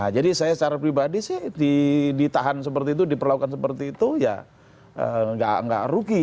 jadi saya secara pribadi sih ditahan seperti itu diperlakukan seperti itu ya nggak rugi